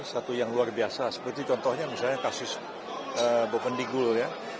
satu yang luar biasa seperti contohnya misalnya kasus bovendigul ya